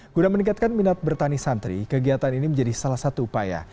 guna meningkatkan minat bertani santri kegiatan ini menjadi salah satu upaya